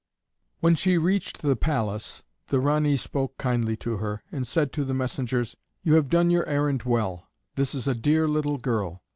When she reached the palace the Ranee spoke kindly to her, and said to the messengers: "You have done your errand well; this is a dear little girl."